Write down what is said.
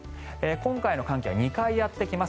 今回の寒気は２回やってきます。